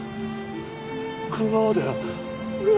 このままでは俺は。